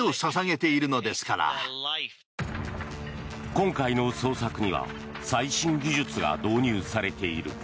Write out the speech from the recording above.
今回の捜索には最新技術が導入されている。